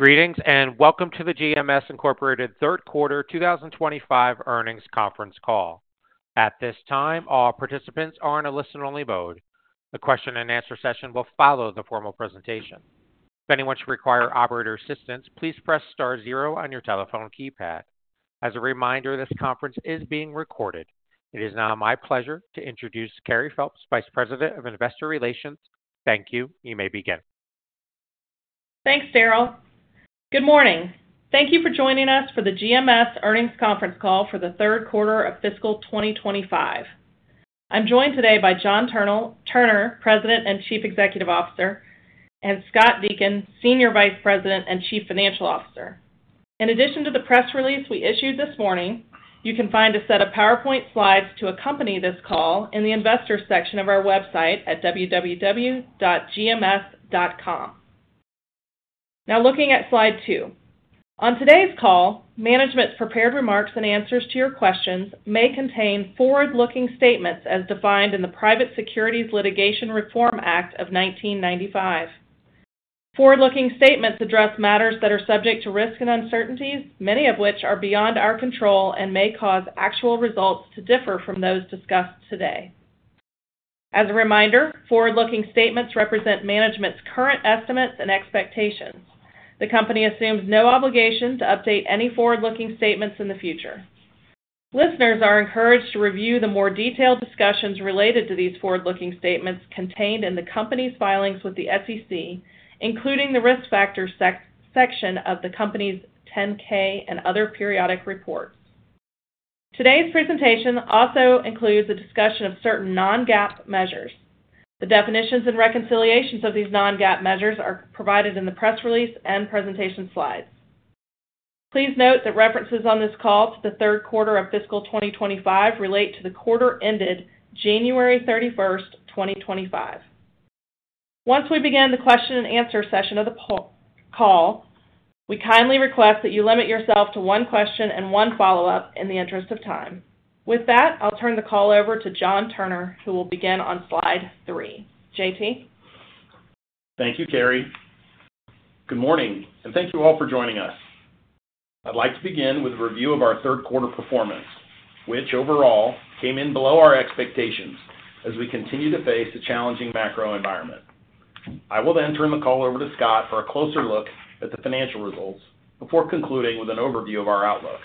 Greetings and welcome to the GMS Incorporated Third Quarter 2025 Earnings Conference Call. At this time, all participants are in a listen-only mode. The question-and-answer session will follow the formal presentation. If anyone should require operator assistance, please press star zero on your telephone keypad. As a reminder, this conference is being recorded. It is now my pleasure to introduce Carey Phelps, Vice President of Investor Relations. Thank you. You may begin. Thanks, Daryl. Good morning. Thank you for joining us for the GMS earnings conference call for the third quarter of fiscal 2025. I'm joined today by John Turner, President and Chief Executive Officer, and Scott Deakin, Senior Vice President and Chief Financial Officer. In addition to the press release we issued this morning, you can find a set of PowerPoint slides to accompany this call in the investor section of our website at www.gms.com. Now, looking at slide two. On today's call, management's prepared remarks and answers to your questions may contain forward-looking statements as defined in the Private Securities Litigation Reform Act of 1995. Forward-looking statements address matters that are subject to risk and uncertainties, many of which are beyond our control and may cause actual results to differ from those discussed today. As a reminder, forward-looking statements represent management's current estimates and expectations. The company assumes no obligation to update any forward-looking statements in the future. Listeners are encouraged to review the more detailed discussions related to these forward-looking statements contained in the company's filings with the SEC, including the risk factors section of the company's 10-K and other periodic reports. Today's presentation also includes a discussion of certain non-GAAP measures. The definitions and reconciliations of these non-GAAP measures are provided in the press release and presentation slides. Please note that references on this call to the third quarter of fiscal 2025 relate to the quarter ended January 31st, 2025. Once we begin the question-and-answer session of the call, we kindly request that you limit yourself to one question and one follow-up in the interest of time. With that, I'll turn the call over to John Turner, who will begin on slide three. J.T.? Thank you, Carey. Good morning, and thank you all for joining us. I'd like to begin with a review of our third quarter performance, which overall came in below our expectations as we continue to face a challenging macro environment. I will then turn the call over to Scott for a closer look at the financial results before concluding with an overview of our outlook.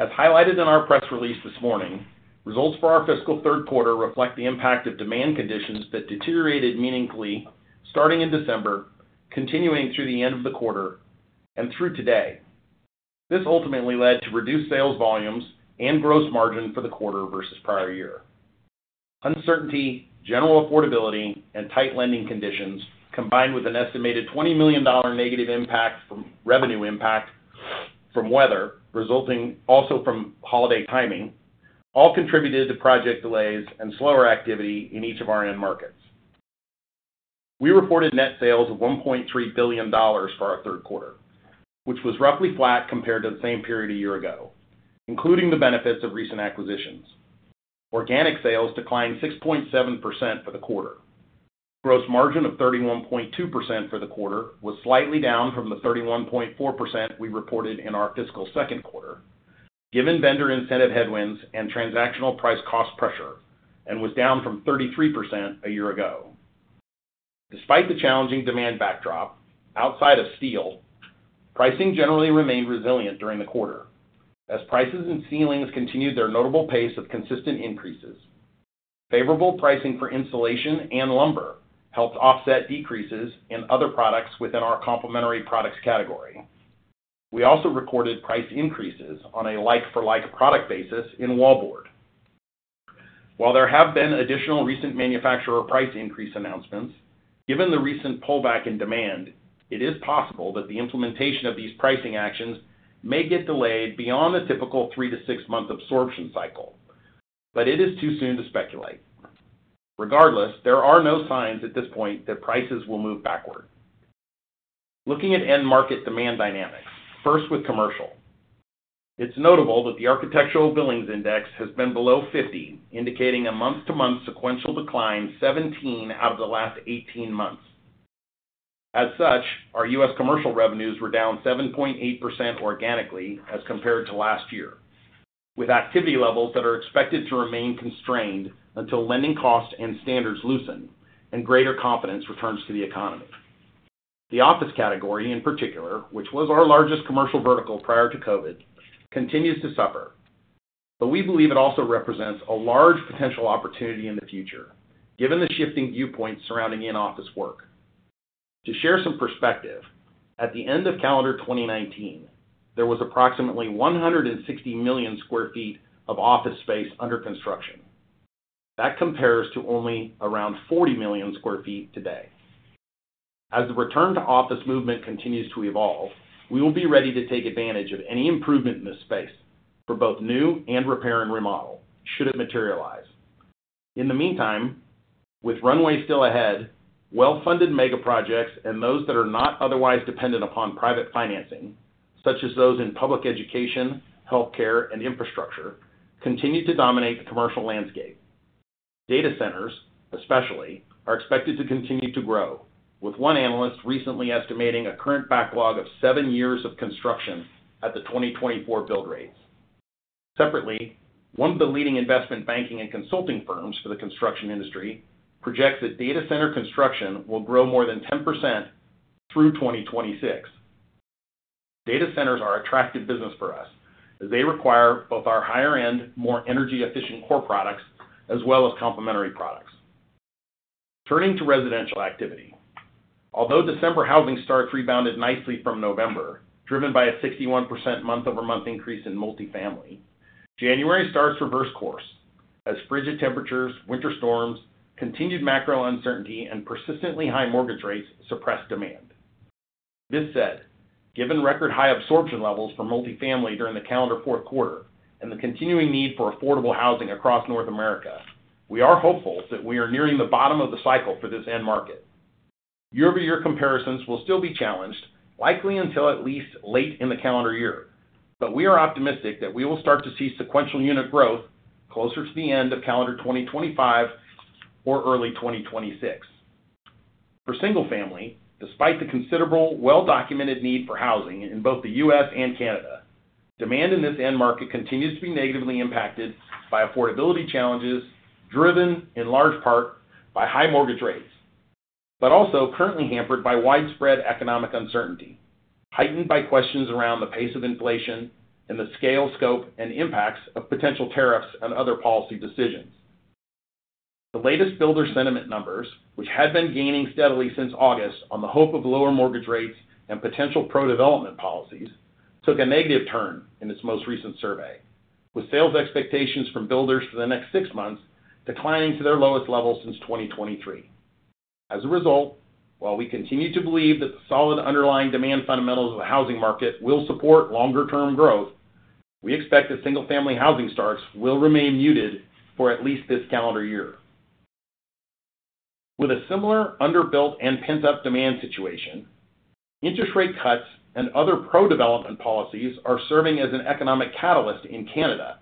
As highlighted in our press release this morning, results for our fiscal third quarter reflect the impact of demand conditions that deteriorated meaningfully starting in December, continuing through the end of the quarter, and through today. This ultimately led to reduced sales volumes and gross margin for the quarter versus prior year. Uncertainty, general affordability, and tight lending conditions, combined with an estimated $20 million negative impact from revenue impact from weather, resulting also from holiday timing, all contributed to project delays and slower activity in each of our end markets. We reported net sales of $1.3 billion for our third quarter, which was roughly flat compared to the same period a year ago, including the benefits of recent acquisitions. Organic sales declined 6.7% for the quarter. Gross margin of 31.2% for the quarter was slightly down from the 31.4% we reported in our fiscal second quarter, given vendor incentive headwinds and transactional price cost pressure, and was down from 33% a year ago. Despite the challenging demand backdrop outside of steel, pricing generally remained resilient during the quarter as prices and ceilings continued their notable pace of consistent increases. Favorable pricing for insulation and lumber helped offset decreases in other products within our complementary products category. We also recorded price increases on a like-for-like product basis in wallboard. While there have been additional recent manufacturer price increase announcements, given the recent pullback in demand, it is possible that the implementation of these pricing actions may get delayed beyond the typical three- to six-month absorption cycle, but it is too soon to speculate. Regardless, there are no signs at this point that prices will move backward. Looking at end market demand dynamics, first with commercial. It's notable that the Architecture Billings Index has been below 50, indicating a month-to-month sequential decline 17 out of the last 18 months. As such, our U.S. Commercial revenues were down 7.8% organically as compared to last year, with activity levels that are expected to remain constrained until lending costs and standards loosen and greater confidence returns to the economy. The office category, in particular, which was our largest commercial vertical prior to COVID, continues to suffer, but we believe it also represents a large potential opportunity in the future, given the shifting viewpoints surrounding in-office work. To share some perspective, at the end of calendar 2019, there was approximately 160 million sq ft of office space under construction. That compares to only around 40 million sq ft today. As the return to office movement continues to evolve, we will be ready to take advantage of any improvement in this space for both new and repair and remodel should it materialize. In the meantime, with runway still ahead, well-funded mega projects and those that are not otherwise dependent upon private financing, such as those in public education, healthcare, and infrastructure, continue to dominate the commercial landscape. Data centers, especially, are expected to continue to grow, with one analyst recently estimating a current backlog of seven years of construction at the 2024 build rates. Separately, one of the leading investment banking and consulting firms for the construction industry projects that data center construction will grow more than 10% through 2026. Data centers are attractive business for us as they require both our higher-end, more energy-efficient core products as well as complementary products. Turning to residential activity, although December housing starts rebounded nicely from November, driven by a 61% month-over-month increase in multifamily, January starts reverse course as frigid temperatures, winter storms, continued macro uncertainty, and persistently high mortgage rates suppress demand. This said, given record high absorption levels for multifamily during the calendar fourth quarter and the continuing need for affordable housing across North America, we are hopeful that we are nearing the bottom of the cycle for this end market. Year-over-year comparisons will still be challenged, likely until at least late in the calendar year, but we are optimistic that we will start to see sequential unit growth closer to the end of calendar 2025 or early 2026. For single family, despite the considerable well-documented need for housing in both the U.S. and Canada, demand in this end market continues to be negatively impacted by affordability challenges driven in large part by high mortgage rates, but also currently hampered by widespread economic uncertainty heightened by questions around the pace of inflation and the scale, scope, and impacts of potential tariffs and other policy decisions. The latest builder sentiment numbers, which had been gaining steadily since August on the hope of lower mortgage rates and potential pro-development policies, took a negative turn in its most recent survey, with sales expectations from builders for the next six months declining to their lowest level since 2023. As a result, while we continue to believe that the solid underlying demand fundamentals of the housing market will support longer-term growth, we expect that single-family housing starts will remain muted for at least this calendar year. With a similar underbuilt and pent-up demand situation, interest rate cuts and other pro-development policies are serving as an economic catalyst in Canada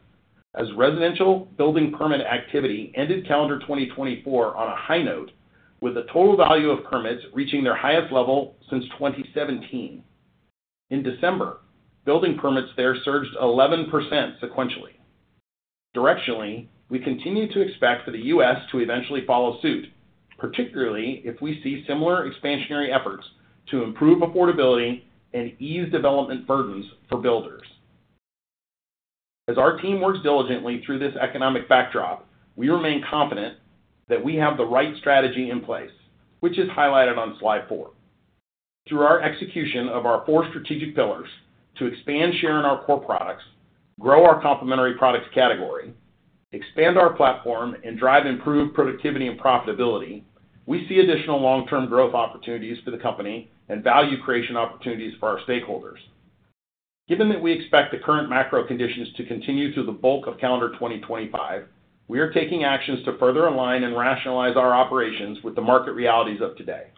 as residential building permit activity ended calendar 2024 on a high note, with the total value of permits reaching their highest level since 2017. In December, building permits there surged 11% sequentially. Directionally, we continue to expect for the U.S. to eventually follow suit, particularly if we see similar expansionary efforts to improve affordability and ease development burdens for builders. As our team works diligently through this economic backdrop, we remain confident that we have the right strategy in place, which is highlighted on slide four. Through our execution of our four strategic pillars to expand share in our core products, grow our complementary products category, expand our platform, and drive improved productivity and profitability, we see additional long-term growth opportunities for the company and value creation opportunities for our stakeholders. Given that we expect the current macro conditions to continue through the bulk of calendar 2025, we are taking actions to further align and rationalize our operations with the market realities of today.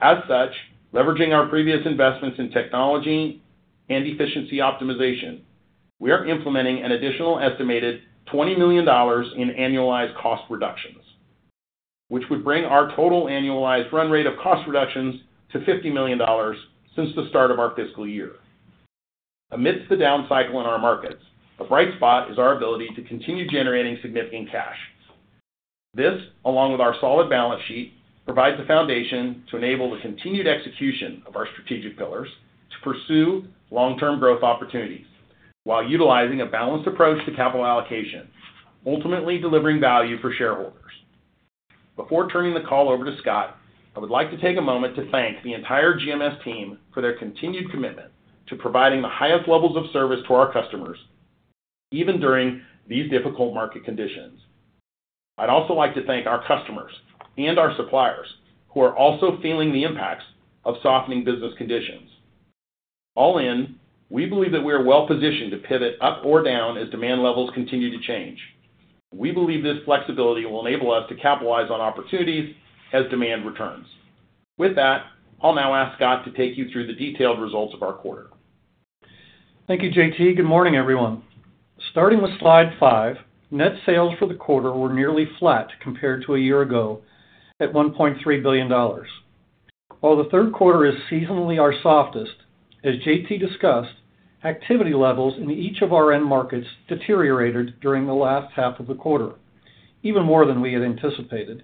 As such, leveraging our previous investments in technology and efficiency optimization, we are implementing an additional estimated $20 million in annualized cost reductions, which would bring our total annualized run rate of cost reductions to $50 million since the start of our fiscal year. Amidst the down cycle in our markets, a bright spot is our ability to continue generating significant cash. This, along with our solid balance sheet, provides a foundation to enable the continued execution of our strategic pillars to pursue long-term growth opportunities while utilizing a balanced approach to capital allocation, ultimately delivering value for shareholders. Before turning the call over to Scott, I would like to take a moment to thank the entire GMS team for their continued commitment to providing the highest levels of service to our customers, even during these difficult market conditions. I'd also like to thank our customers and our suppliers who are also feeling the impacts of softening business conditions. All in, we believe that we are well positioned to pivot up or down as demand levels continue to change. We believe this flexibility will enable us to capitalize on opportunities as demand returns. With that, I'll now ask Scott to take you through the detailed results of our quarter. Thank you, J.T. Good morning, everyone. Starting with slide five, net sales for the quarter were nearly flat compared to a year ago at $1.3 billion. While the third quarter is seasonally our softest, as J.T. discussed, activity levels in each of our end markets deteriorated during the last half of the quarter, even more than we had anticipated,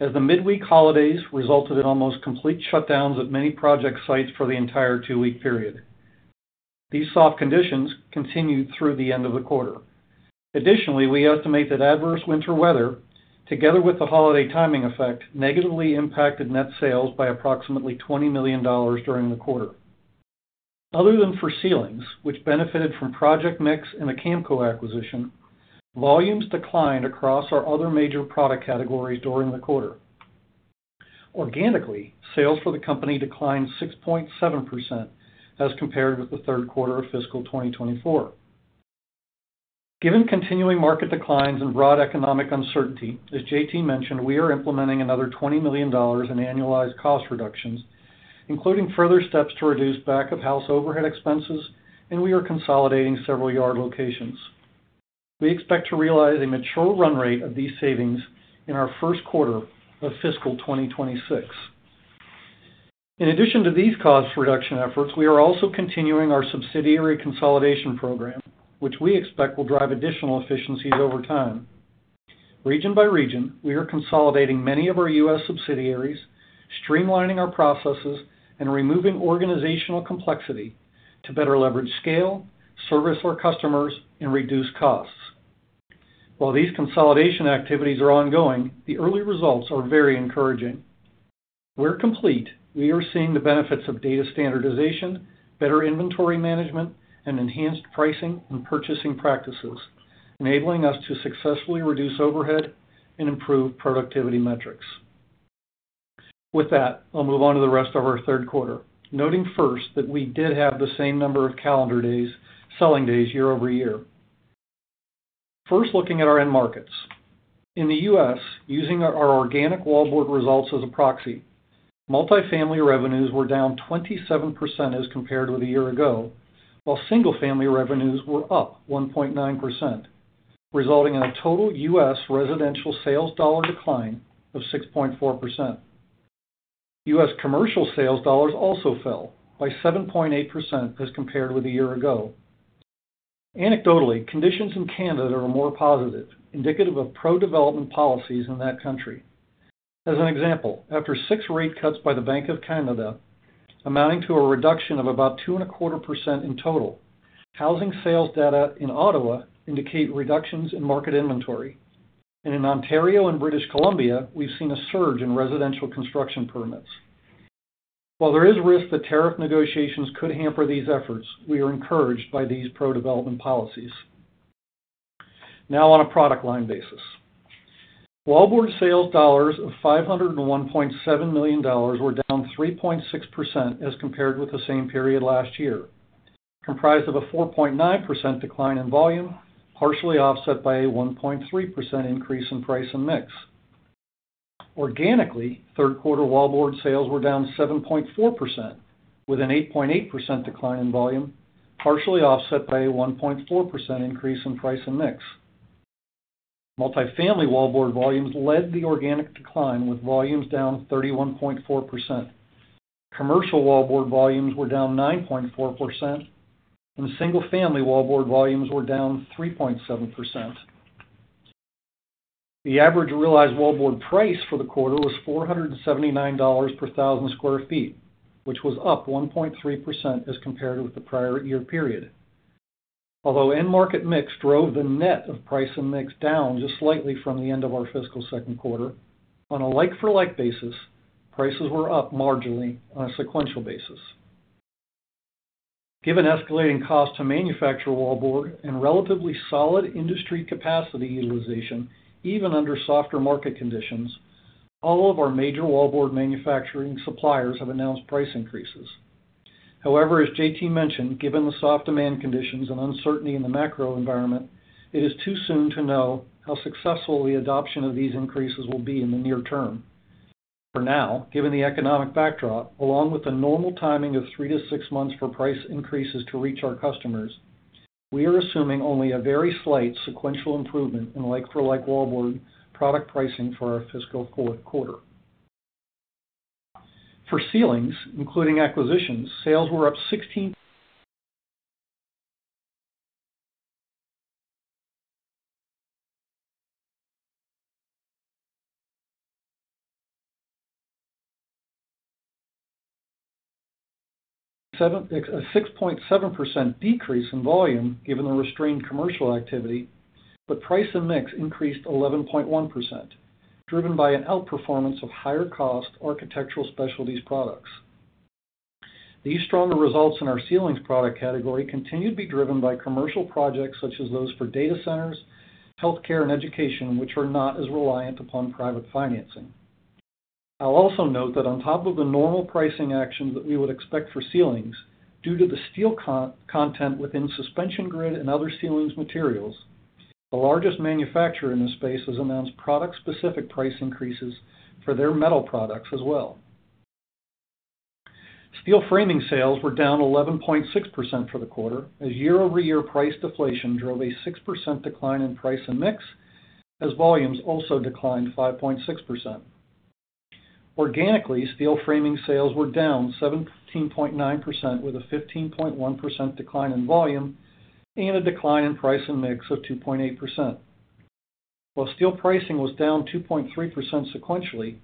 as the midweek holidays resulted in almost complete shutdowns at many project sites for the entire two-week period. These soft conditions continued through the end of the quarter. Additionally, we estimate that adverse winter weather, together with the holiday timing effect, negatively impacted net sales by approximately $20 million during the quarter. Other than for ceilings, which benefited from project mix and the Kamco acquisition, volumes declined across our other major product categories during the quarter. Organically, sales for the company declined 6.7% as compared with the third quarter of fiscal 2024. Given continuing market declines and broad economic uncertainty, as J.T. mentioned, we are implementing another $20 million in annualized cost reductions, including further steps to reduce back-of-house overhead expenses, and we are consolidating several yard locations. We expect to realize a mature run rate of these savings in our first quarter of fiscal 2026. In addition to these cost reduction efforts, we are also continuing our subsidiary consolidation program, which we expect will drive additional efficiencies over time. Region by region, we are consolidating many of our U.S. subsidiaries, streamlining our processes, and removing organizational complexity to better leverage scale, service our customers, and reduce costs. While these consolidation activities are ongoing, the early results are very encouraging. We're complete. We are seeing the benefits of data standardization, better inventory management, and enhanced pricing and purchasing practices, enabling us to successfully reduce overhead and improve productivity metrics. With that, I'll move on to the rest of our third quarter, noting first that we did have the same number of calendar days, selling days year-over-year. First, looking at our end markets. In the U.S., using our organic wallboard results as a proxy, multifamily revenues were down 27% as compared with a year ago, while single-family revenues were up 1.9%, resulting in a total U.S. residential sales dollar decline of 6.4%. U.S. commercial sales dollars also fell by 7.8% as compared with a year ago. Anecdotally, conditions in Canada are more positive, indicative of pro-development policies in that country. As an example, after six rate cuts by the Bank of Canada amounting to a reduction of about 2.25% in total, housing sales data in Ottawa indicate reductions in market inventory, and in Ontario and British Columbia, we've seen a surge in residential construction permits. While there is risk that tariff negotiations could hamper these efforts, we are encouraged by these pro-development policies. Now, on a product line basis, wallboard sales dollars of $501.7 million were down 3.6% as compared with the same period last year, comprised of a 4.9% decline in volume, partially offset by a 1.3% increase in price and mix. Organically, third quarter wallboard sales were down 7.4%, with an 8.8% decline in volume, partially offset by a 1.4% increase in price and mix. Multifamily wallboard volumes led the organic decline, with volumes down 31.4%. Commercial wallboard volumes were down 9.4%, and single-family wallboard volumes were down 3.7%. The average realized wallboard price for the quarter was $479 per 1,000 sq ft, which was up 1.3% as compared with the prior year period. Although end market mix drove the net of price and mix down just slightly from the end of our fiscal second quarter, on a like-for-like basis, prices were up marginally on a sequential basis. Given escalating cost to manufacture wallboard and relatively solid industry capacity utilization, even under softer market conditions, all of our major wallboard manufacturing suppliers have announced price increases. However, as J.T. mentioned, given the soft demand conditions and uncertainty in the macro environment, it is too soon to know how successful the adoption of these increases will be in the near term. For now, given the economic backdrop, along with the normal timing of three to six months for price increases to reach our customers, we are assuming only a very slight sequential improvement in like-for-like wallboard product pricing for our fiscal fourth quarter. For ceilings, including acquisitions, sales were up 16%. A 6.7% decrease in volume given the restrained commercial activity, but price and mix increased 11.1%, driven by an outperformance of higher-cost architectural specialties products. These stronger results in our ceilings product category continue to be driven by commercial projects such as those for data centers, healthcare, and education, which are not as reliant upon private financing. I'll also note that on top of the normal pricing actions that we would expect for ceilings due to the steel content within suspension grid and other ceilings materials, the largest manufacturer in this space has announced product-specific price increases for their metal products as well. Steel framing sales were down 11.6% for the quarter as year-over-year price deflation drove a 6% decline in price and mix, as volumes also declined 5.6%. Organically, steel framing sales were down 17.9% with a 15.1% decline in volume and a decline in price and mix of 2.8%. While steel pricing was down 2.3% sequentially,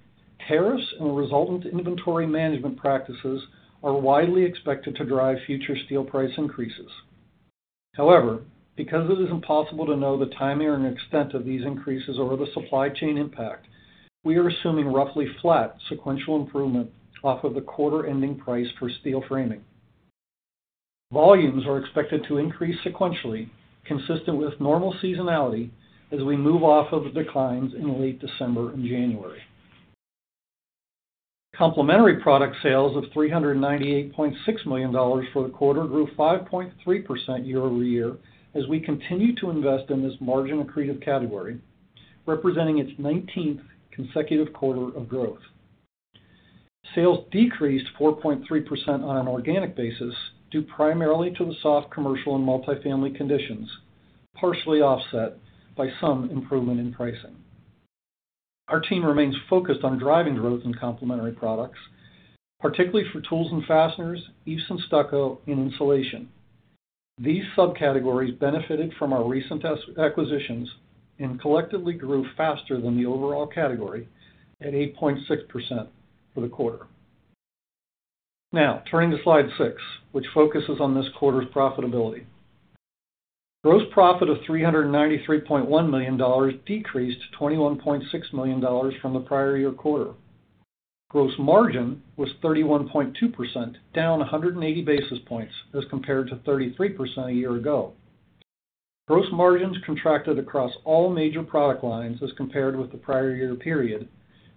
tariffs and the resultant inventory management practices are widely expected to drive future steel price increases. However, because it is impossible to know the timing or extent of these increases or the supply chain impact, we are assuming roughly flat sequential improvement off of the quarter-ending price for steel framing. Volumes are expected to increase sequentially, consistent with normal seasonality as we move off of the declines in late December and January. Complementary product sales of $398.6 million for the quarter grew 5.3% year-over-year as we continue to invest in this margin accretive category, representing its 19th consecutive quarter of growth. Sales decreased 4.3% on an organic basis due primarily to the soft commercial and multifamily conditions, partially offset by some improvement in pricing. Our team remains focused on driving growth in complementary products, particularly for tools and fasteners, EIFS; stucco, and insulation. These sub-categories benefited from our recent acquisitions and collectively grew faster than the overall category at 8.6% for the quarter. Now, turning to slide six, which focuses on this quarter's profitability. Gross profit of $393.1 million decreased $21.6 million from the prior year quarter. Gross margin was 31.2%, down 180 basis points as compared to 33% a year ago. Gross margins contracted across all major product lines as compared with the prior year period,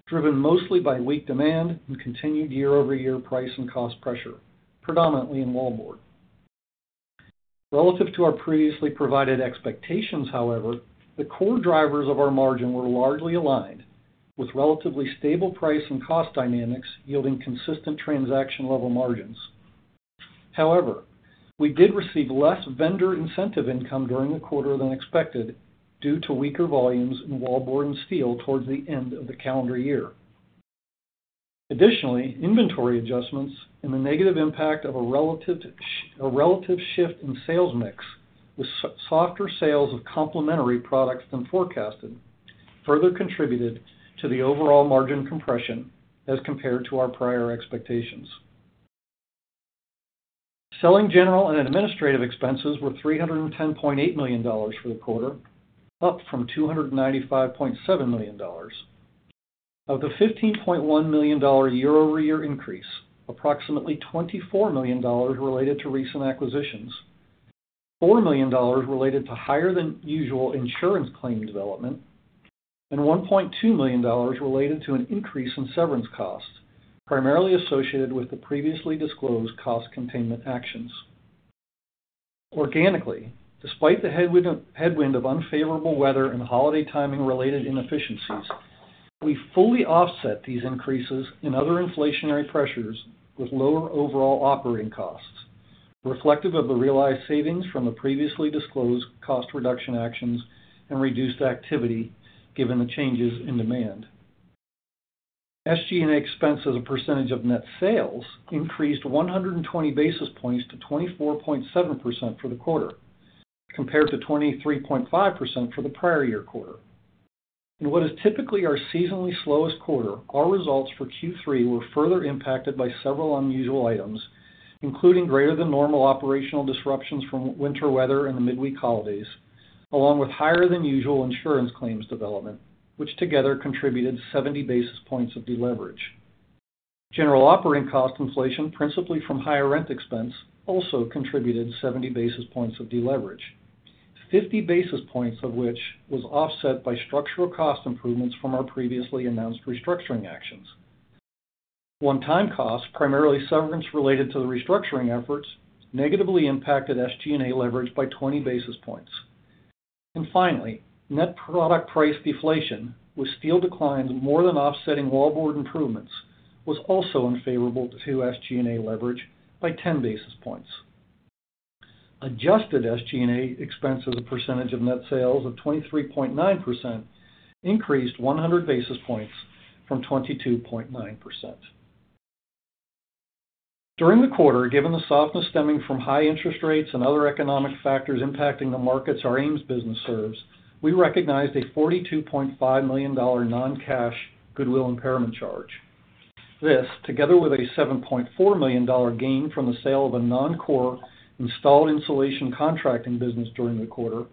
driven mostly by weak demand and continued year-over-year price and cost pressure, predominantly in wallboard. Relative to our previously provided expectations, however, the core drivers of our margin were largely aligned with relatively stable price and cost dynamics, yielding consistent transaction-level margins. However, we did receive less vendor incentive income during the quarter than expected due to weaker volumes in wallboard and steel towards the end of the calendar year. Additionally, inventory adjustments and the negative impact of a relative shift in sales mix, with softer sales of complementary products than forecasted, further contributed to the overall margin compression as compared to our prior expectations. Selling, General & Administrative expenses were $310.8 million for the quarter, up from $295.7 million. Of the $15.1 million year-over-year increase, approximately $24 million related to recent acquisitions, $4 million related to higher-than-usual insurance claim development, and $1.2 million related to an increase in severance costs primarily associated with the previously disclosed cost containment actions. Organically, despite the headwind of unfavorable weather and holiday timing-related inefficiencies, we fully offset these increases and other inflationary pressures with lower overall operating costs, reflective of the realized savings from the previously disclosed cost reduction actions and reduced activity given the changes in demand. SG&A expenses as a percentage of net sales increased 120 basis points to 24.7% for the quarter, compared to 23.5% for the prior year quarter. In what is typically our seasonally slowest quarter, our results for Q3 were further impacted by several unusual items, including greater-than-normal operational disruptions from winter weather and the midweek holidays, along with higher-than-usual insurance claims development, which together contributed 70 basis points of deleverage. General operating cost inflation, principally from higher rent expense, also contributed 70 basis points of deleverage, 50 basis points of which was offset by structural cost improvements from our previously announced restructuring actions. One-time costs, primarily severance related to the restructuring efforts, negatively impacted SG&A leverage by 20 basis points. And finally, net product price deflation, with steel declines more than offsetting wallboard improvements, was also unfavorable to SG&A leverage by 10 basis points. Adjusted SG&A expenses as a percentage of net sales of 23.9% increased 100 basis points from 22.9%. During the quarter, given the softness stemming from high interest rates and other economic factors impacting the markets our Ames business serves, we recognized a $42.5 million non-cash goodwill impairment charge. This, together with a $7.4 million gain from the sale of a non-core installed insulation contracting business during the quarter,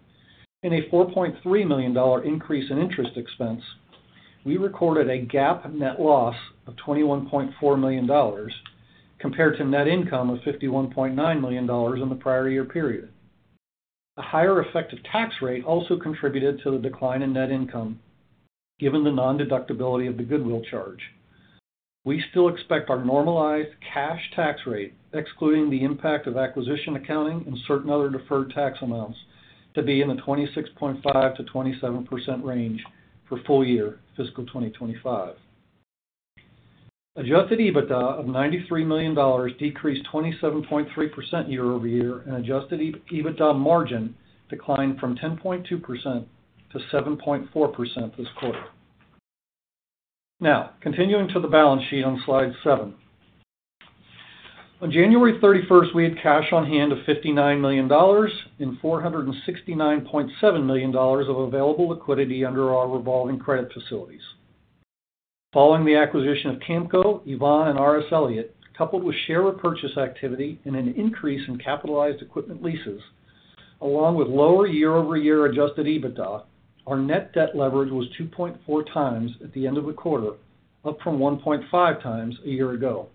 and a $4.3 million increase in interest expense, we recorded a GAAP net loss of $21.4 million compared to net income of $51.9 million in the prior year period. A higher effective tax rate also contributed to the decline in net income, given the non-deductibility of the goodwill charge. We still expect our normalized cash tax rate, excluding the impact of acquisition accounting and certain other deferred tax amounts, to be in the 26.5%-27% range for full year, fiscal 2025. Adjusted EBITDA of $93 million decreased 27.3% year-over-year, and adjusted EBITDA margin declined from 10.2%-7.4% this quarter. Now, continuing to the balance sheet on slide seven. On January 31st, we had cash on hand of $59 million and $469.7 million of available liquidity under our revolving credit facilities. Following the acquisition of Kamco, Yvon, and R.S. Elliott, coupled with share repurchase activity and an increase in capitalized equipment leases, along with lower year-over-year adjusted EBITDA, our net debt leverage was 2.4 times at the end of the quarter, up from 1.5 times a year ago.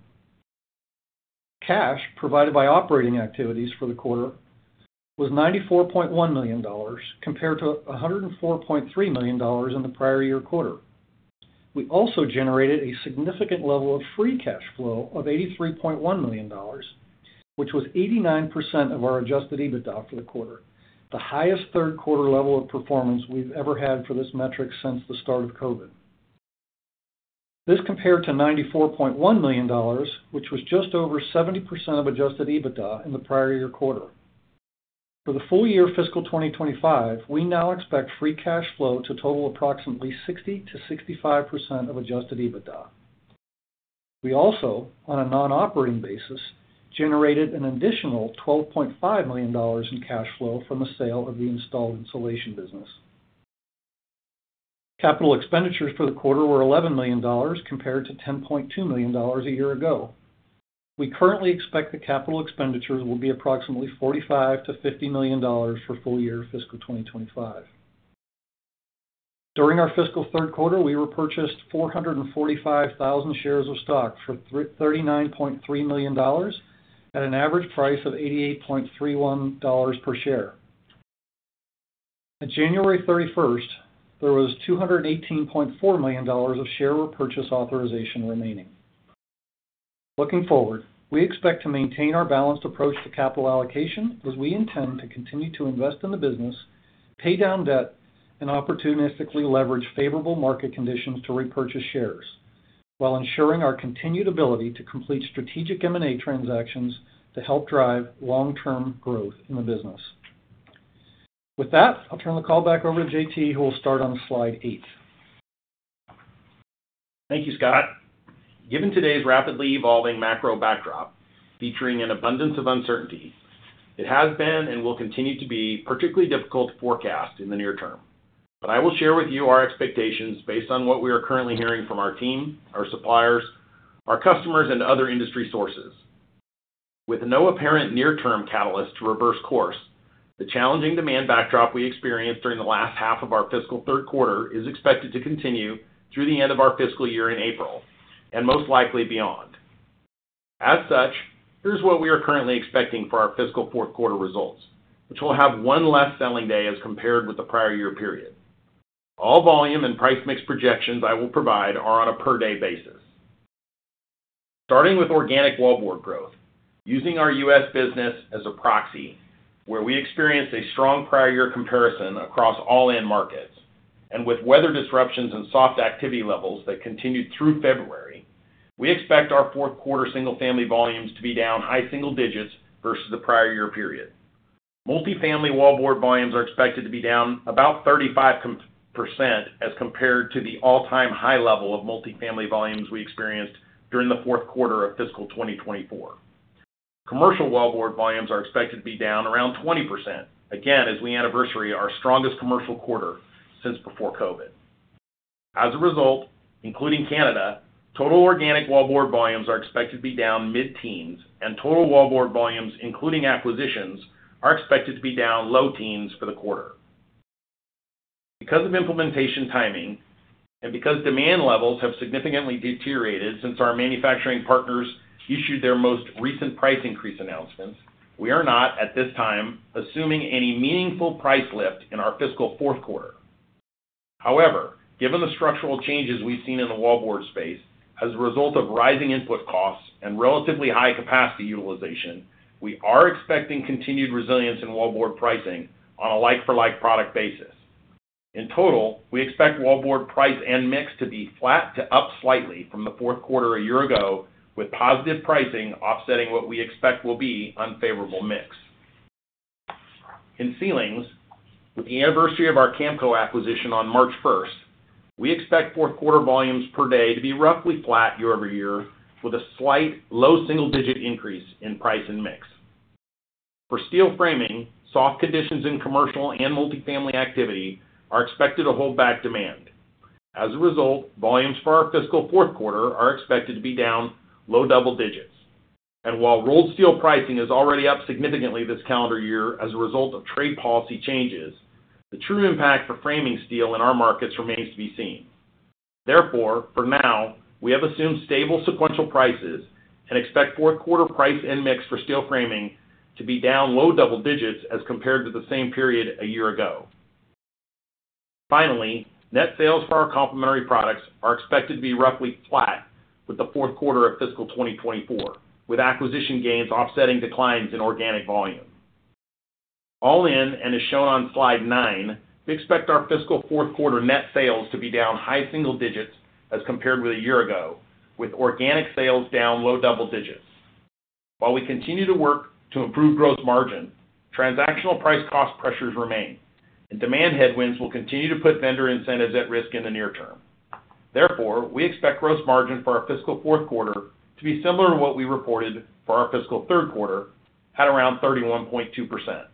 Cash provided by operating activities for the quarter was $94.1 million, compared to $104.3 million in the prior year quarter. We also generated a significant level of free cash flow of $83.1 million, which was 89% of our Adjusted EBITDA for the quarter, the highest third quarter level of performance we've ever had for this metric since the start of COVID. This compared to $94.1 million, which was just over 70% of Adjusted EBITDA in the prior year quarter. For the full year fiscal 2025, we now expect free cash flow to total approximately 60%-65% of Adjusted EBITDA. We also, on a non-operating basis, generated an additional $12.5 million in cash flow from the sale of the installed insulation business. Capital expenditures for the quarter were $11 million, compared to $10.2 million a year ago. We currently expect the capital expenditures will be approximately $45-$50 million for full year fiscal 2025. During our fiscal third quarter, we repurchased 445,000 shares of stock for $39.3 million at an average price of $88.31 per share. At January 31st, there was $218.4 million of share repurchase authorization remaining. Looking forward, we expect to maintain our balanced approach to capital allocation as we intend to continue to invest in the business, pay down debt, and opportunistically leverage favorable market conditions to repurchase shares, while ensuring our continued ability to complete strategic M&A transactions to help drive long-term growth in the business. With that, I'll turn the call back over to J.T., who will start on slide eight. Thank you, Scott. Given today's rapidly evolving macro backdrop, featuring an abundance of uncertainty, it has been and will continue to be particularly difficult to forecast in the near term. But I will share with you our expectations based on what we are currently hearing from our team, our suppliers, our customers, and other industry sources. With no apparent near-term catalyst to reverse course, the challenging demand backdrop we experienced during the last half of our fiscal third quarter is expected to continue through the end of our fiscal year in April, and most likely beyond. As such, here's what we are currently expecting for our fiscal fourth quarter results, which will have one less selling day as compared with the prior year period. All volume and price mix projections I will provide are on a per-day basis. Starting with organic wallboard growth, using our U.S. business as a proxy, where we experienced a strong prior year comparison across all end markets, and with weather disruptions and soft activity levels that continued through February, we expect our fourth quarter single-family volumes to be down high single digits versus the prior year period. Multifamily wallboard volumes are expected to be down about 35% as compared to the all-time high level of multifamily volumes we experienced during the fourth quarter of fiscal 2024. Commercial wallboard volumes are expected to be down around 20%, again as we anniversary our strongest commercial quarter since before COVID. As a result, including Canada, total organic wallboard volumes are expected to be down mid-teens, and total wallboard volumes, including acquisitions, are expected to be down low-teens for the quarter. Because of implementation timing and because demand levels have significantly deteriorated since our manufacturing partners issued their most recent price increase announcements, we are not, at this time, assuming any meaningful price lift in our fiscal fourth quarter. However, given the structural changes we've seen in the wallboard space as a result of rising input costs and relatively high capacity utilization, we are expecting continued resilience in wallboard pricing on a like-for-like product basis. In total, we expect wallboard price and mix to be flat to up slightly from the fourth quarter a year ago, with positive pricing offsetting what we expect will be unfavorable mix. In ceilings, with the anniversary of our Kamco acquisition on March 1st, we expect fourth quarter volumes per day to be roughly flat year-over-year, with a slight low single-digit increase in price and mix. For steel framing, soft conditions in commercial and multifamily activity are expected to hold back demand. As a result, volumes for our fiscal fourth quarter are expected to be down low double digits. And while rolled steel pricing is already up significantly this calendar year as a result of trade policy changes, the true impact for framing steel in our markets remains to be seen. Therefore, for now, we have assumed stable sequential prices and expect fourth quarter price and mix for steel framing to be down low double digits as compared to the same period a year ago. Finally, net sales for our complementary products are expected to be roughly flat with the fourth quarter of fiscal 2024, with acquisition gains offsetting declines in organic volume. All in, and as shown on slide nine, we expect our fiscal fourth quarter net sales to be down high single digits as compared with a year ago, with organic sales down low double digits. While we continue to work to improve gross margin, transactional price cost pressures remain, and demand headwinds will continue to put vendor incentives at risk in the near term. Therefore, we expect gross margin for our fiscal fourth quarter to be similar to what we reported for our fiscal third quarter, at around 31.2%.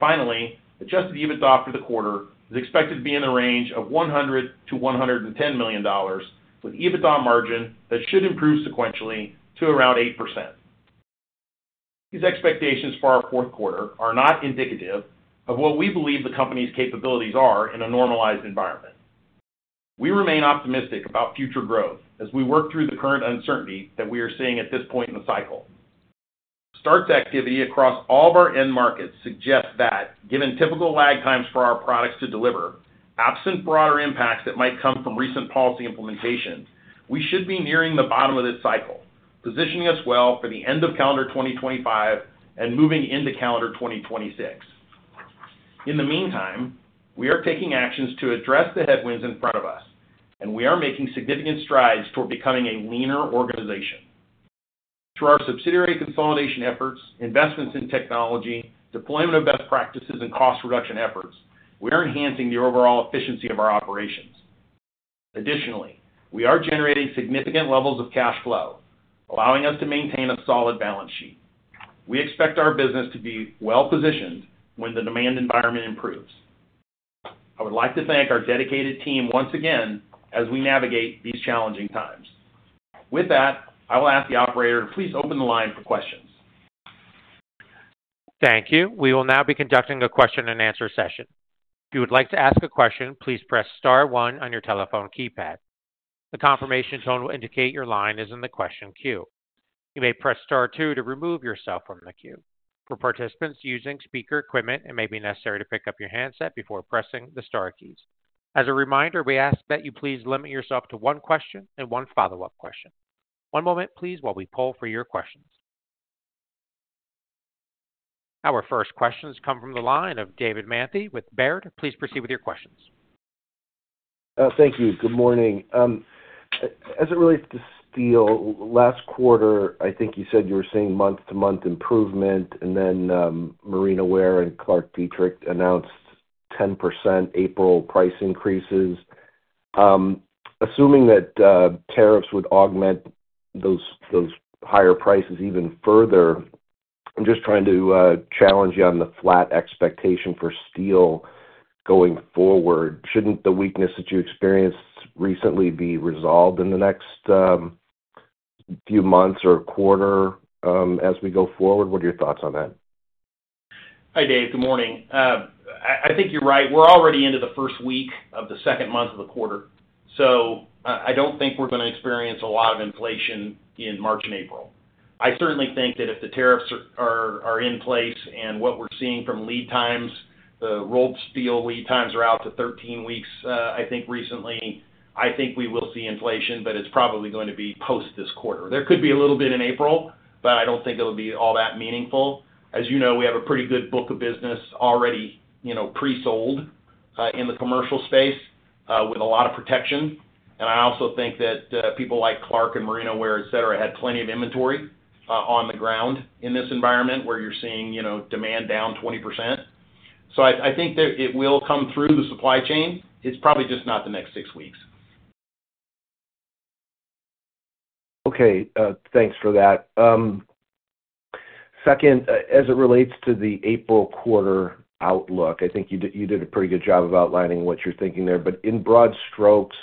Finally, adjusted EBITDA for the quarter is expected to be in the range of $100-$110 million, with EBITDA margin that should improve sequentially to around 8%. These expectations for our fourth quarter are not indicative of what we believe the company's capabilities are in a normalized environment. We remain optimistic about future growth as we work through the current uncertainty that we are seeing at this point in the cycle. Starts activity across all of our end markets suggests that, given typical lag times for our products to deliver, absent broader impacts that might come from recent policy implementation, we should be nearing the bottom of this cycle, positioning us well for the end of calendar 2025 and moving into calendar 2026. In the meantime, we are taking actions to address the headwinds in front of us, and we are making significant strides toward becoming a leaner organization. Through our subsidiary consolidation efforts, investments in technology, deployment of best practices, and cost reduction efforts, we are enhancing the overall efficiency of our operations. Additionally, we are generating significant levels of cash flow, allowing us to maintain a solid balance sheet. We expect our business to be well-positioned when the demand environment improves. I would like to thank our dedicated team once again as we navigate these challenging times. With that, I will ask the operator to please open the line for questions. Thank you. We will now be conducting a question-and-answer session. If you would like to ask a question, please press star one on your telephone keypad. The confirmation tone will indicate your line is in the question queue. You may press star two to remove yourself from the queue. For participants using speaker equipment, it may be necessary to pick up your handset before pressing the star keys. As a reminder, we ask that you please limit yourself to one question and one follow-up question. One moment, please, while we pull for your questions. Our first questions come from the line of David Manthey with Baird. Please proceed with your questions. Thank you. Good morning. As it relates to steel, last quarter, I think you said you were seeing month-to-month improvement, and then Marino\WARE and ClarkDietrich announced 10% April price increases. Assuming that tariffs would augment those higher prices even further, I'm just trying to challenge you on the flat expectation for steel going forward. Shouldn't the weakness that you experienced recently be resolved in the next few months or quarter as we go forward? What are your thoughts on that? Hi, Dave. Good morning. I think you're right. We're already into the first week of the second month of the quarter. So I don't think we're going to experience a lot of inflation in March and April. I certainly think that if the tariffs are in place and what we're seeing from lead times, the rolled steel lead times are out to 13 weeks, I think recently, I think we will see inflation, but it's probably going to be post this quarter. There could be a little bit in April, but I don't think it'll be all that meaningful. As you know, we have a pretty good book of business already pre-sold in the commercial space with a lot of protection. And I also think that people like Clark and Marino\WARE, etc., had plenty of inventory on the ground in this environment where you're seeing demand down 20%. So I think that it will come through the supply chain. It's probably just not the next six weeks. Okay. Thanks for that. Second, as it relates to the April quarter outlook, I think you did a pretty good job of outlining what you're thinking there. But in broad strokes,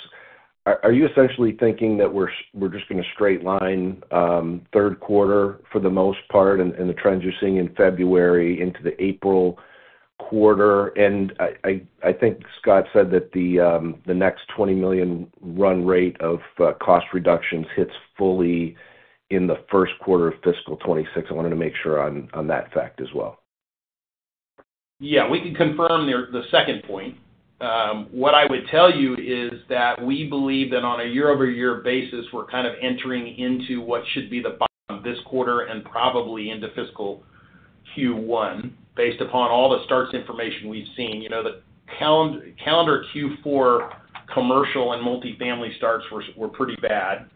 are you essentially thinking that we're just going to straight line third quarter for the most part and the trends you're seeing in February into the April quarter? And I think Scott said that the next $20 million run rate of cost reductions hits fully in the first quarter of fiscal 2026. I wanted to make sure on that fact as well. Yeah. We can confirm the second point. What I would tell you is that we believe that on a year-over-year basis, we're kind of entering into what should be the bottom of this quarter and probably into fiscal Q1, based upon all the starts information we've seen. The calendar Q4 commercial and multifamily starts were pretty bad,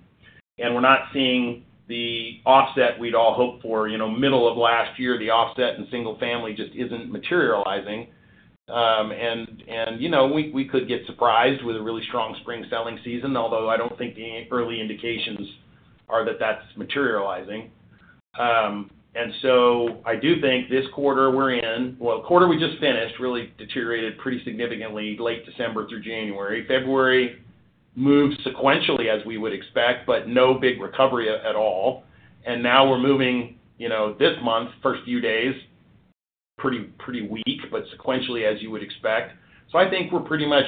and we're not seeing the offset we'd all hoped for, middle of last year, the offset in single-family just isn't materializing, and we could get surprised with a really strong spring selling season, although I don't think the early indications are that that's materializing, and so I do think this quarter we're in, well, the quarter we just finished really deteriorated pretty significantly late December through January. February moved sequentially as we would expect, but no big recovery at all, and now we're moving this month, first few days, pretty weak, but sequentially as you would expect, so I think we're pretty much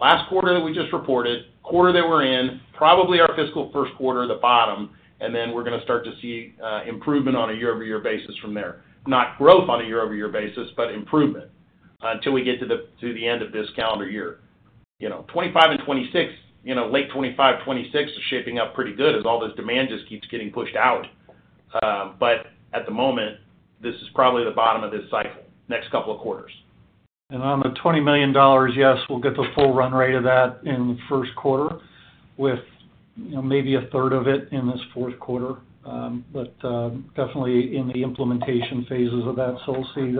last quarter that we just reported, quarter that we're in, probably our fiscal first quarter at the bottom, and then we're going to start to see improvement on a year-over-year basis from there. Not growth on a year-over-year basis, but improvement until we get to the end of this calendar year. 2025 and 2026, late 2025, 2026 is shaping up pretty good as all this demand just keeps getting pushed out. But at the moment, this is probably the bottom of this cycle, next couple of quarters. And on the $20 million, yes, we'll get the full run rate of that in the first quarter, with maybe a third of it in this fourth quarter. But definitely in the implementation phases of that, so we'll see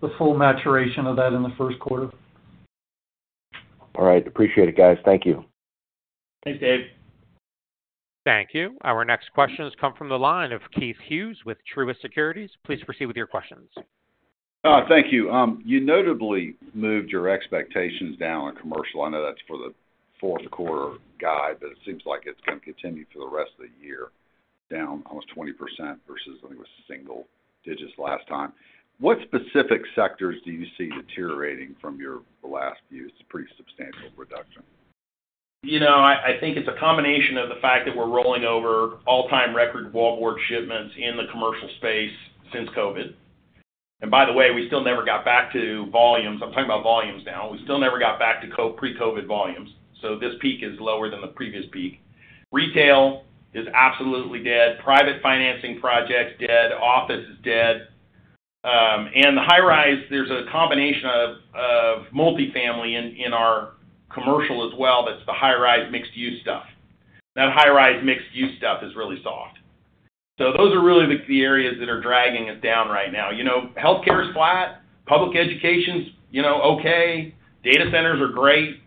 the full maturation of that in the first quarter. All right. Appreciate it, guys. Thank you. Thanks, Dave. Thank you. Our next questions come from the line of Keith Hughes with Truist Securities. Please proceed with your questions. Thank you. You notably moved your expectations down on commercial. I know that's for the fourth quarter guide, but it seems like it's going to continue for the rest of the year, down almost 20% versus I think it was single digits last time. What specific sectors do you see deteriorating from your last view? It's a pretty substantial reduction. I think it's a combination of the fact that we're rolling over all-time record wallboard shipments in the commercial space since COVID. And by the way, we still never got back to volumes. I'm talking about volumes now. We still never got back to pre-COVID volumes. So this peak is lower than the previous peak. Retail is absolutely dead. Private financing projects dead. Office is dead. And the high-rise, there's a combination of multifamily in our commercial as well. That's the high-rise mixed-use stuff. That high-rise mixed-use stuff is really soft. So those are really the areas that are dragging us down right now. Healthcare is flat. Public education's okay. Data centers are great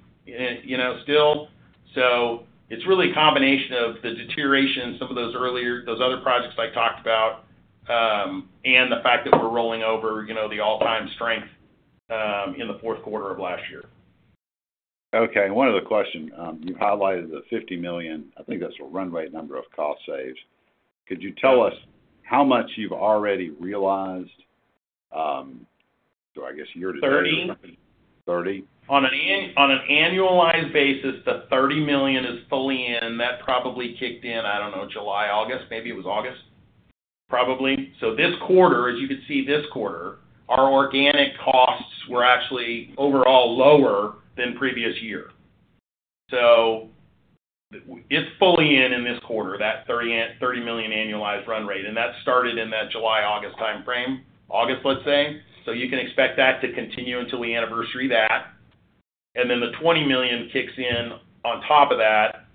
still. So it's really a combination of the deterioration in some of those earlier other projects I talked about and the fact that we're rolling over the all-time strength in the fourth quarter of last year. Okay. One other question. You've highlighted the $50 million. I think that's a runway number of cost saves. Could you tell us how much you've already realized? So I guess year-to-date? $30 million? On an annualized basis, the $30 million is fully in. That probably kicked in, I don't know, July, August. Maybe it was August. Probably. So this quarter, as you can see, our organic costs were actually overall lower than previous year. So it's fully in this quarter, that $30 million annualized run rate. That started in that July-August time frame, August, let's say. So you can expect that to continue until we anniversary that. And then the $20 million kicks in on top of that,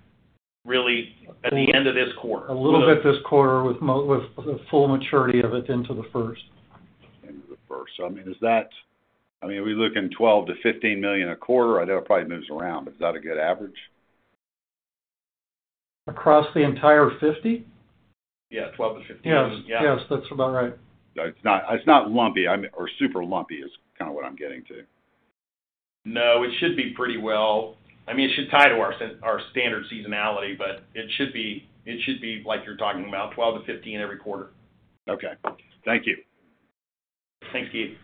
really, at the end of this quarter. A little bit this quarter with full maturity of it into the first. Into the first. I mean, are we looking $12-$15 million a quarter? I know it probably moves around, but is that a good average? Across the entire 50? Yeah. $12-$15 million. Yeah. Yes. That's about right. It's not lumpy or super lumpy is kind of what I'm getting to. No. It should be pretty well. I mean, it should tie to our standard seasonality, but it should be like you're talking about, $12-$15 million every quarter. Okay. Thank you. Thanks, Keith.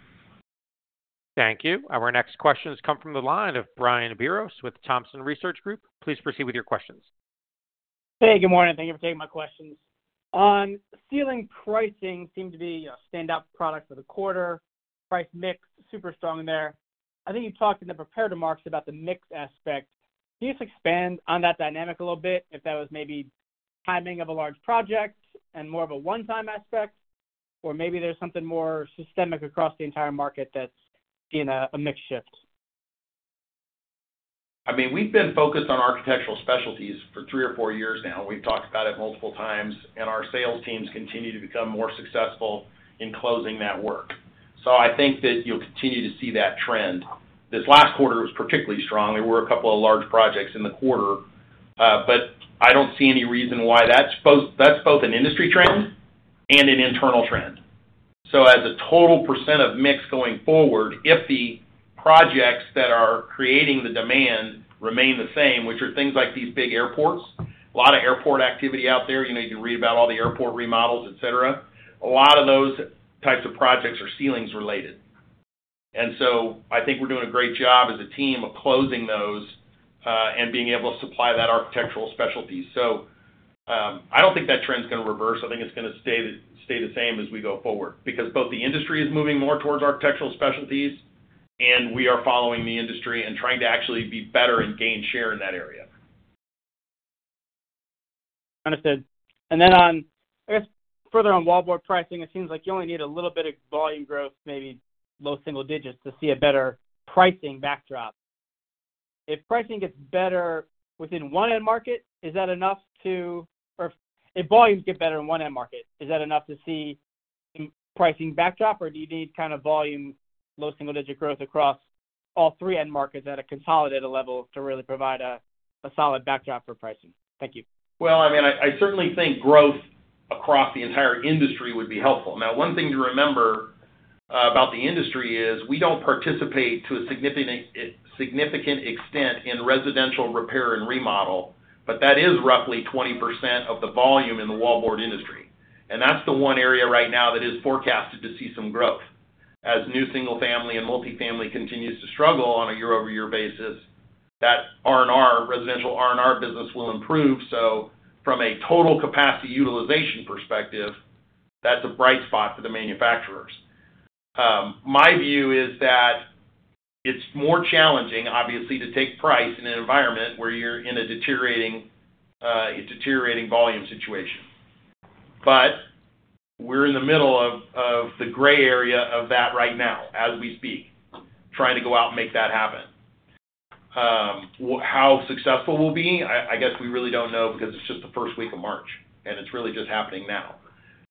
Thank you. Our next questions come from the line of Brian Biros with Thompson Research Group. Please proceed with your questions. Hey. Good morning. Thank you for taking my questions. On ceilings pricing, seemed to be a standout product for the quarter. Price mix super strong there. I think you talked in the prepared remarks about the mix aspect. Can you just expand on that dynamic a little bit? If that was maybe timing of a large project and more of a one-time aspect, or maybe there's something more systemic across the entire market that's seen a mix shift? I mean, we've been focused on architectural specialties for 3 or 4 years now. We've talked about it multiple times, and our sales teams continue to become more successful in closing that work. So I think that you'll continue to see that trend. This last quarter was particularly strong. There were a couple of large projects in the quarter, but I don't see any reason why that's both an industry trend and an internal trend. So as a total percent of mix going forward, if the projects that are creating the demand remain the same, which are things like these big airports, a lot of airport activity out there, you can read about all the airport remodels, etc., a lot of those types of projects are ceilings related. And so I think we're doing a great job as a team of closing those and being able to supply that architectural specialty. So I don't think that trend's going to reverse. I think it's going to stay the same as we go forward because both the industry is moving more towards architectural specialties, and we are following the industry and trying to actually be better and gain share in that area. Understood, and then on, I guess, further on wallboard pricing, it seems like you only need a little bit of volume growth, maybe low single digits, to see a better pricing backdrop. If pricing gets better within one end market, is that enough to or if volumes get better in one end market, is that enough to see pricing backdrop, or do you need kind of volume, low single digit growth across all three end markets at a consolidated level to really provide a solid backdrop for pricing? Thank you, well, I mean, I certainly think growth across the entire industry would be helpful. Now, one thing to remember about the industry is we don't participate to a significant extent in residential repair and remodel, but that is roughly 20% of the volume in the wallboard industry, and that's the one area right now that is forecasted to see some growth. As new single-family and multifamily continues to struggle on a year-over-year basis, that R&R, residential R&R business will improve. So from a total capacity utilization perspective, that's a bright spot for the manufacturers, so my view is that it's more challenging, obviously, to take price in an environment where you're in a deteriorating volume situation, but we're in the middle of the gray area of that right now as we speak, trying to go out and make that happen. How successful we'll be, I guess we really don't know because it's just the first week of March, and it's really just happening now.